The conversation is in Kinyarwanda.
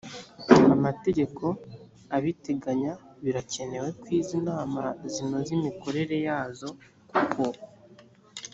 amategeko abiteganya birakenewe ko izi nama zinoza imikorere yazo kuko